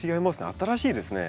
新しいですね。